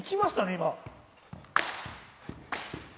今。